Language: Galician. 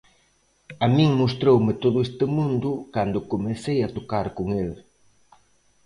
A min mostroume todo este mundo cando comecei a tocar con el.